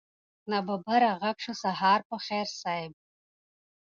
ناببره غږ شو سهار په خير صيب.